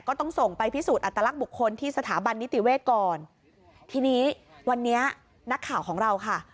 ก็ต้องส่งไปพิสูจน์อัตลักษณ์บุคคลที่สถาบันนิติเวศก่อนทีนี้วันนี้นักข่าวของเราค่ะ